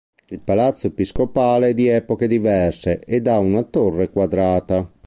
Il Palazzo Episcopale è di epoche diverse ed ha una torre quadrata.